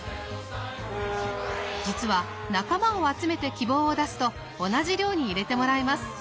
実は仲間を集めて希望を出すと同じ寮に入れてもらえます。